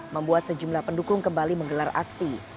membuat sejumlah pendukung kembali menggelar aksi